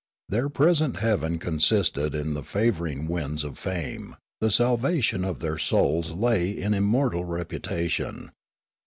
Their present heaven consisted in the favouring winds of fame ; the salvation of their souls lay in immortal reputation.